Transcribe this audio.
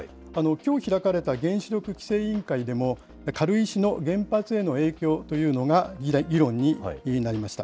きょう開かれた原子力規制委員会でも、軽石の原発への影響というのが議論になりました。